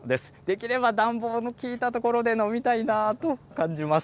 できれば暖房の利いた所で飲みたいなと感じます。